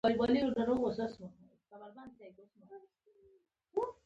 نظریاتي تنوع او فکري ډسکورس یې خپل وي.